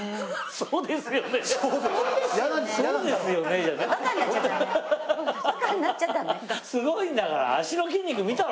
そうですよねじゃ。